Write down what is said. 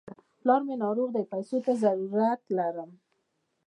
پلار مې ناروغ دی، پيسو ته ضرورت لرم.